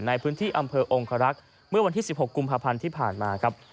ในพื้นที่อำเภอองครักษ์เมื่อวันที่๑๖กุมภาพันธ์ที่ผ่านมาครับ